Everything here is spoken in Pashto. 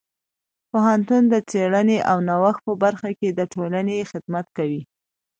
پوهنتون د څیړنې او نوښت په برخه کې د ټولنې خدمت کوي.